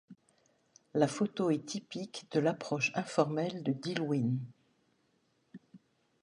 La photo est typique de l'approche informelle de Dillwyn.